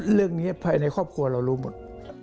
เรื่องนี้ภายในครอบครัวเรารู้หมด